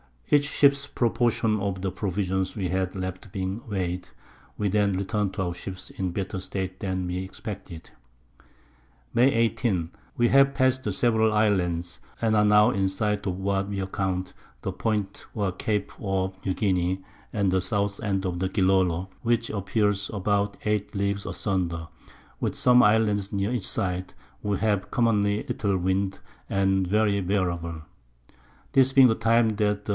Each Ship's Proportion of the Provisions we had left being weigh'd, we then return'd to our Ships in a better state than we expected. May 18. We have passed several Islands, and are now in sight of what we account the Point or Cape of New Guinea, and the South End of Gillolo, which appears about 8 Leagues asunder, with some Islands near each side; we have commonly little Wind, and very verable. This being the Time that the S.